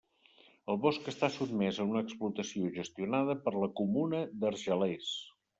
El bosc està sotmès a una explotació gestionada per la comuna d'Argelers.